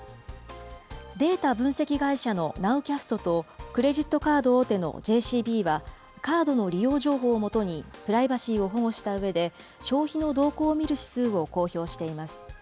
データ分析会社のナウキャストとクレジットカード大手のＪＣＢは、カードの利用情報をもとに、プライバシーを保護したうえで、消費の動向を見る指数を公表しています。